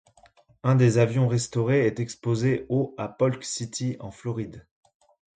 Un des avions restaurés est exposé au à Polk City, en Floride.